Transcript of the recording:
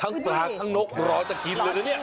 ทั้งปลาทั้งนกร้อยจะกินหรือเนี่ย